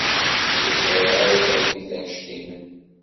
Ur sɛiɣ ara tarmit anect-nnem.